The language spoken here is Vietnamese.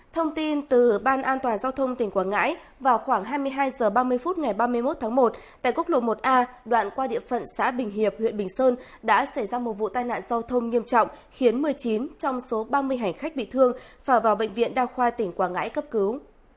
thông tin từ ban an toàn giao thông tỉnh quảng ngãi vào khoảng hai mươi hai h ba mươi phút ngày ba mươi một tháng một tại quốc lộ một a đoạn qua địa phận xã bình hiệp huyện bình sơn đã xảy ra một vụ tai nạn giao thông nghiêm trọng khiến một mươi chín trong số ba mươi hành khách bị thương phải vào bệnh viện đa khoa tỉnh quảng ngãi cấp cứu